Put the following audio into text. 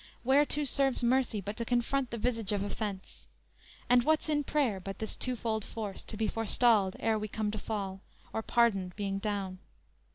Whereto serves mercy But to confront the visage of offense? And what's in prayer but this twofold force, To be forestalled ere we come to fall, Or pardoned being down?